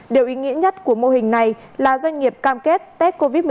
điều ý nghĩa nhất của mô hình này là doanh nghiệp cam kết tết covid một mươi chín